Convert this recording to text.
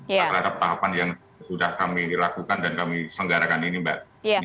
terhadap tahapan yang sudah kami lakukan dan kami selenggarakan ini mbak